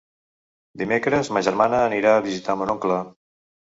Dimecres ma germana anirà a visitar mon oncle.